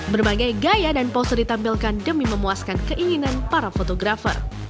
berbagai gaya dan pose ditampilkan demi memuaskan keinginan para fotografer